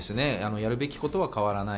やるべきことは変わらない。